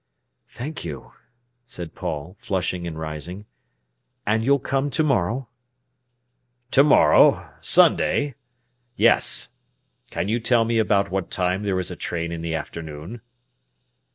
"Thank you!" said Paul, flushing and rising. "And you'll come to morrow?" "To morrow—Sunday? Yes! Can you tell me about what time there is a train in the afternoon?"